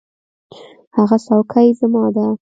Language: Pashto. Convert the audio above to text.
هغه څوکۍ زما ده.